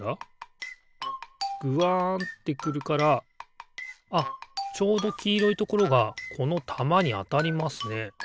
ぐわんってくるからあっちょうどきいろいところがこのたまにあたりますね。